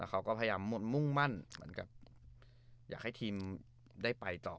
แล้วเขาก็พยายามมุ่งมั่นอยากให้ทีมได้ไปต่อ